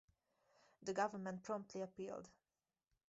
The government promptly appealed.